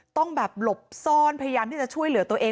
ต้องแบบหลบซ่อนพยายามที่จะช่วยเหลือตัวเอง